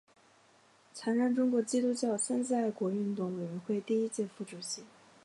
曾任中国基督教三自爱国运动委员会第一届副主席。